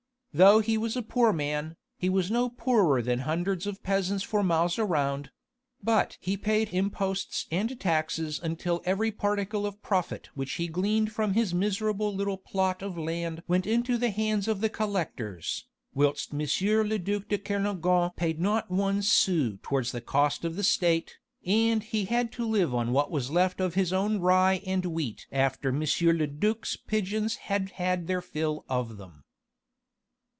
Though he was a poor man, he was no poorer than hundreds of peasants for miles around: but he paid imposts and taxes until every particle of profit which he gleaned from his miserable little plot of land went into the hands of the collectors, whilst M. le duc de Kernogan paid not one sou towards the costs of the State, and he had to live on what was left of his own rye and wheat after M. le duc's pigeons had had their fill of them.